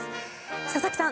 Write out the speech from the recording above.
佐々木さん